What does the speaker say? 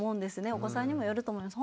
お子さんにもよると思います。